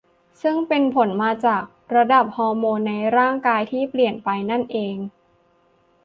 ซึ่งเป็นผลมาจากระดับฮอร์โมนในร่างกายที่เปลี่ยนแปลงไปนั่นเอง